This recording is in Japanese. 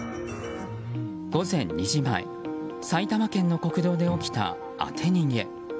午前２時前埼玉県の国道で起きた当て逃げ。